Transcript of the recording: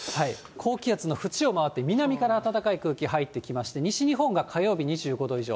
高気圧の縁を回って南から暖かい空気入ってきまして、西日本が火曜日、２５度以上。